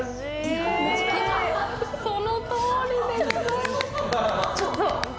そのとおりです。